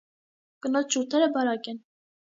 Կնոջ շուրթերը բարակ են։